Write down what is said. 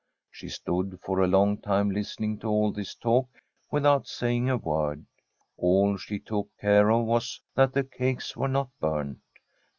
She stood for a long time listening to all this talk without saying a word. All she took care of was that the cakes were not burnt.